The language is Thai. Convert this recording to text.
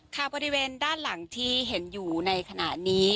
ค่ะบริเวณด้านหลังที่เห็นอยู่ในขณะนี้